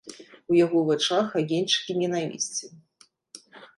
У яго вачах агеньчыкі нянавісці.